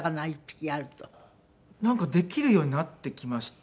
なんかできるようになってきまして。